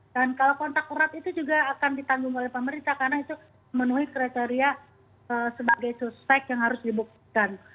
dan kalau kontak erat itu juga akan ditanggung oleh pemerintah karena itu memenuhi kriteria sebagai suspek yang harus dibuktikan